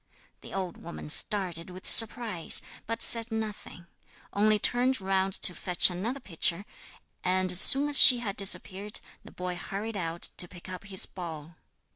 The old woman started with surprise, but said nothing; only turned round to fetch another pitcher, and as soon as she had disappeared, the boy hurried out to pick up his ball.